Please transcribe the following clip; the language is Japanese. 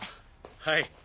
はい。